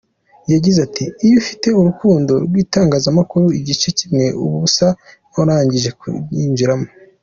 Yagize ati “Iyo ufite urukundo rw’itangazamakuru, igice kimwe uba usa n’uwarangije kuryinjiramo.